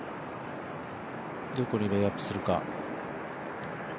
どこにレイアップするか。